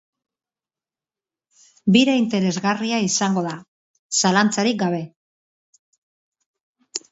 Bira interesgarria izango da, zalanztarik gabe.